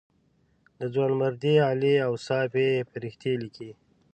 د ځوانمردۍ عالي اوصاف یې فرښتې لیکلې.